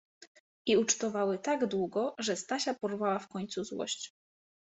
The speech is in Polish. I ucztowały tak długo, że Stasia porwała w końcu złość.